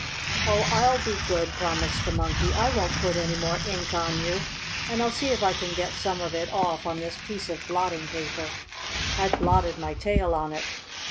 "Oh, I'll be good!" promised the Monkey. "I won't put any more ink on you, and I'll see if I can get some of it off on this piece of blotting paper. I blotted my tail on it."